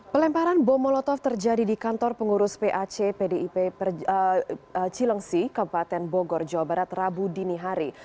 pelemparan bom molotov terjadi di kantor pengurus pac pdip cilengsi kabupaten bogor jawa barat rabu dini hari